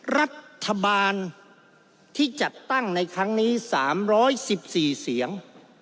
รัฐบาลที่จัดตั้งในครั้งนี้๓๑๔เสียง